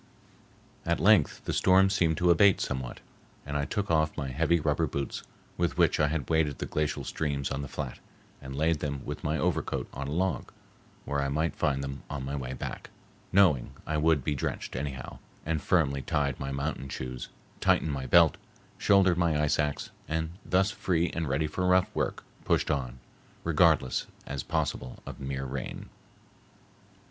At length the storm seemed to abate somewhat, and I took off my heavy rubber boots, with which I had waded the glacial streams on the flat, and laid them with my overcoat on a log, where I might find them on my way back, knowing I would be drenched anyhow, and firmly tied my mountain shoes, tightened my belt, shouldered my ice axe, and, thus free and ready for rough work, pushed on, regardless as possible of mere rain.